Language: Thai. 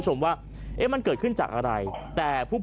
สวัสดีครับ